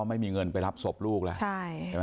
ไม่มีเงินไปรับศพลูกละใช่